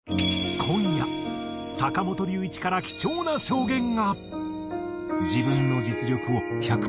今夜坂本龍一から貴重な証言が。